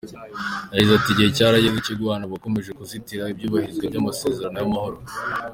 Yagize ati “Igihe cyarageze cyo guhana abakomeje kuzitira iyubahirizwa ry’amasezerano y’amahoro.